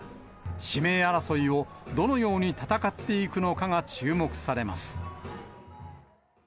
指名争いをどのように戦っていくのかが注目されます。